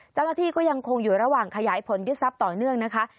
เจ้าหน้าที่ก็ยังคงอยู่ระหว่างขยายผลยึดทรัพย์ต่อเนื่องนะคะ